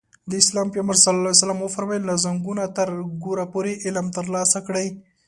د اسلام پيغمبر ص وفرمايل له زانګو نه تر ګوره پورې علم ترلاسه کړئ.